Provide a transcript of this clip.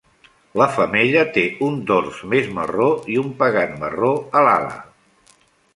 La femella té un dors més marró i un pegat marró a l'ala.